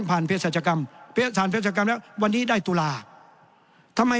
อันนี้คืออะไร